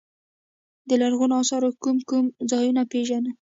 د لرغونو اثارو کوم کوم ځایونه پيژنئ.